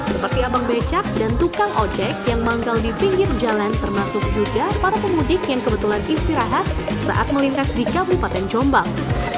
seperti abang becak dan tukang ojek yang manggal di pinggir jalan termasuk juga para pemudik yang kebetulan istirahat saat melintas di kabupaten jombang